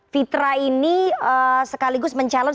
fitra ini sekaligus mencalon